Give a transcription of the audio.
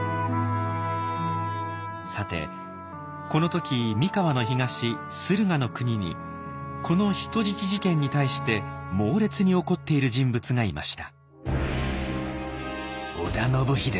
さてこの時三河の東駿河の国にこの人質事件に対して猛烈に怒っている人物がいました。